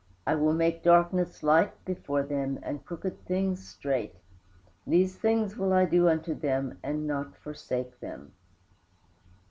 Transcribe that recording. I will make darkness light before them, and crooked things straight: these things will I do unto them and not forsake them."